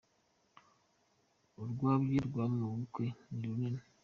Urwabya rwamabukwe ni runini